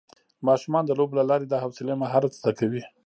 ماشومان د لوبو له لارې د حوصلې مهارت زده کوي